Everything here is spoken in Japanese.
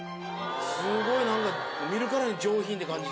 すごい！何か見るからに上品って感じする。